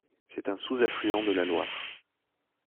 C'est un sous-affluent de la Loire.